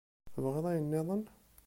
Tebɣiḍ ayen nniḍen?